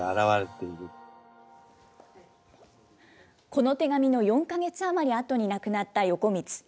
この手紙の４か月余りあとに亡くなった横光。